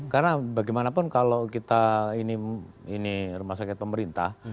karena bagaimanapun kalau kita ini rumah sakit pemerintah